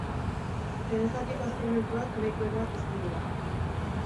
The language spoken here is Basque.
Lehen zatiko azken minutuak nahiko eroak izan dira.